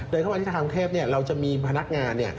เข้ามาที่ธนาคารกรุงเทพเราจะมีพนักงาน